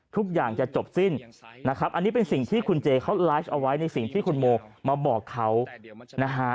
ทุกอย่างจะจบสิ้นนะครับอันนี้เป็นสิ่งที่คุณเจเขาไลฟ์เอาไว้ในสิ่งที่คุณโมมาบอกเขานะฮะ